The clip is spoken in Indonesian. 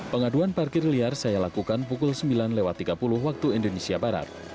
pengaduan parkir liar saya lakukan pukul sembilan tiga puluh waktu indonesia barat